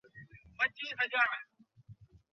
তুমি আমাদের বন্ধু।